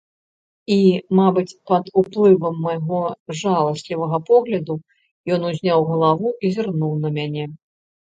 І, мабыць, пад уплывам майго жаласлівага погляду ён узняў галаву і зірнуў на мяне.